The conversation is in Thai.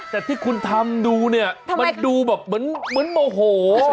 แต่ที่คุณทำดูเนี่ยมันดูแบบเหมือนโมโห